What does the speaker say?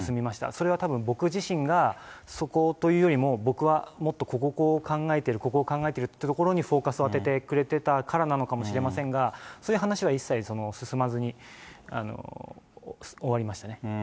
それはたぶん、僕自身がそこというよりも、僕はもっとここを考えている、ここを考えているというところにフォーカスを当ててくれたからなのかもしれませんが、そういう話は一切進まずに終わりましたね。